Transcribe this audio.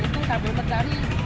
terus sambil mencari